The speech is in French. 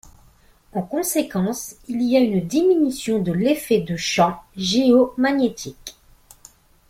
En conséquence, il y a une diminution de l'effet de champ géomagnétique.